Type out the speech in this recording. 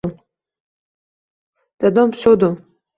Janob shodon